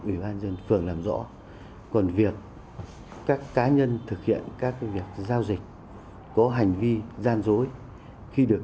ủy ban dân phường làm rõ còn việc các cá nhân thực hiện các việc giao dịch có hành vi gian dối khi được